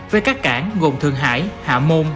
với các cảng gồm thường hải hạ môn